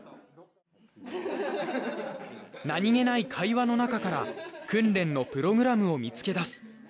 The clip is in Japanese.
何げない会話の中から訓練のプログラムを見つけ出す。